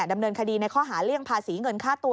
ดำเนินคดีในข้อหาเลี่ยงภาษีเงินค่าตัว